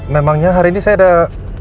memangnya hari ini saya ada